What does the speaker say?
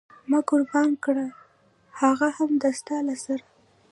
ما قربان کړ هغه هم د ستا له سره.